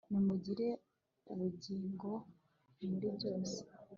nimugire ubugingo muri byose